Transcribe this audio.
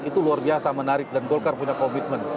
itu luar biasa menarik dan golkar punya komitmen